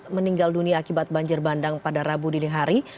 meninggal dunia akibat banjir bandang pada rabu dinihari